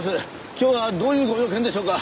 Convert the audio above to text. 今日はどういうご用件でしょうか？